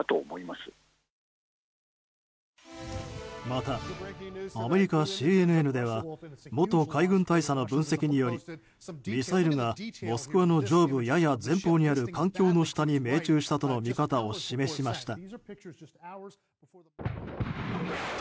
また、アメリカＣＮＮでは元海軍大佐の分析によりミサイルが、「モスクワ」の上部やや前方にある艦橋の下に命中したとの見方を示しました。